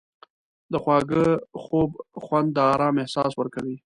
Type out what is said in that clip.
د خواږه خوب خوند د آرام احساس ورکوي.